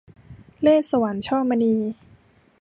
เล่ห์สวรรค์ - ช่อมณี